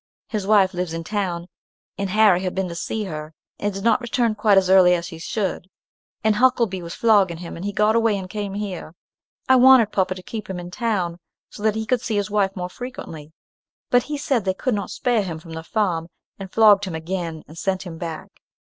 His wife lives in town, and Harry had been to see her, and did not return quite as early as he should; and Huckelby was flogging him, and he got away and came here. I wanted papa to keep him in town, so that he could see his wife more frequently; but he said they could not spare him from the farm, and flogged him again, and sent him back.